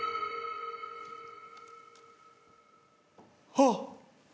あっ。